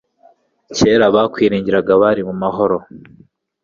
kera abakwiringiraga bari mu mahoro